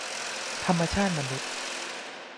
ธรรมชาติมนุษย์